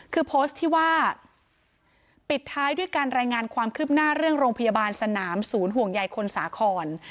คือโพสต์ที่ว่าปิดท้ายด้วยการรายงานความคืบหน้าเรื่องโรงพยาบาลสนามศูนย์ห่วงใยคนสาคร